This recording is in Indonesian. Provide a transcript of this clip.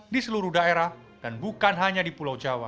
di seluruh daerah dan bukan hanya di pulau jawa